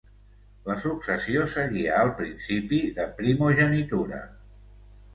La successió seguia el principi de primogenitura.